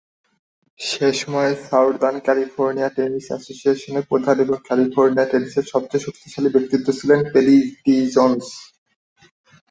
সেই সময়ে, Southern California tennis অ্যাসোসিয়েশনের প্রধান এবং ক্যালিফোর্নিয়া টেনিসের সবচেয়ে শক্তিশালী ব্যক্তিত্ব ছিলেন পেরি টি জোন্স।